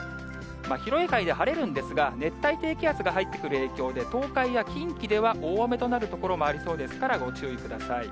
広い範囲で晴れるんですが、熱帯低気圧が入ってくる影響で、東海や近畿では大雨となる所もありそうですから、ご注意ください。